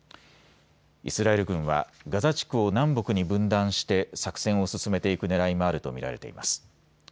イスラエル軍はガザ地区を南北に分断して作戦を進めていくねらいもあると見られています。